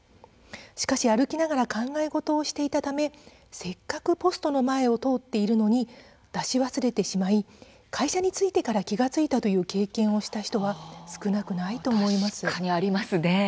しかし、歩きながら考え事をしていたためせっかくポストの前を通っているのに出し忘れてしまい会社に着いてから気が付いたという経験をした人はありますね、確かに。